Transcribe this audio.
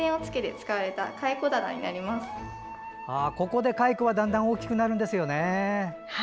ここで蚕はだんだん大きくなるんですよね。